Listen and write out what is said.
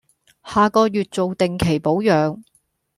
下個月做定期保養